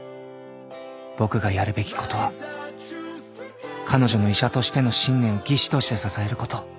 僕がやるべきことは彼女の医者としての信念を技師として支えること